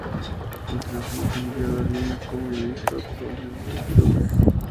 A continuación es enviado a Viena como ministro plenipotenciario del duque.